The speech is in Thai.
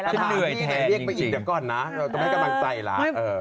ถ้าพี่ไหนเรียกไปอีกเดี๋ยวก่อนนะต้องให้กำลังใจแล้ว